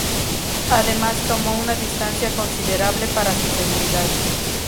Además tomó una distancia considerable para su seguridad.